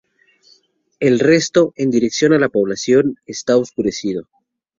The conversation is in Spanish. El resto, en dirección a la población, está oscurecido.